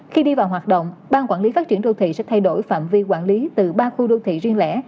khi đi vào hoạt động ban quản lý phát triển đô thị sẽ thay đổi phạm vi quản lý từ ba khu đô thị riêng lẻ